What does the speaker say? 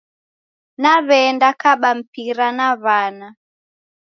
Naw'enda kaba mpira na w'ana.